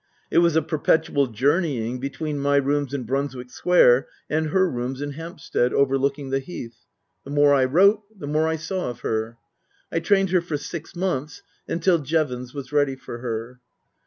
It was a perpetual journeying between my rooms in Brunswick Square and her rooms in Hampstead overlooking the Heath. The more I wrote the more I saw of her. I trained her for six months until Jevons was ready for her.